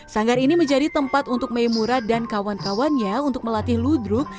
sanggar ini menjadi tempat untuk meimura dan kawan kawannya untuk melatih ludruk